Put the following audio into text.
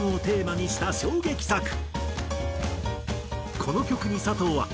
この曲に佐藤は。